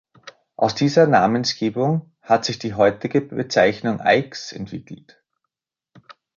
Aus dieser Namensgebung hat sich die heutige Bezeichnung "Aix" entwickelt.